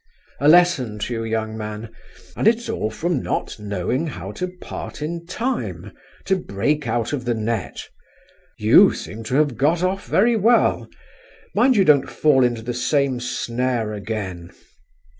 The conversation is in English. A lesson to you, young man. And it's all from not knowing how to part in time, to break out of the net. You seem to have got off very well. Mind you don't fall into the same snare again.